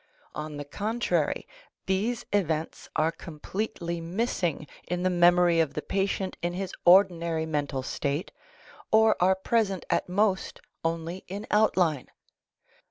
On the contrary, these events are completely missing in the memory of the patient in his ordinary mental state or are present at most only in outline.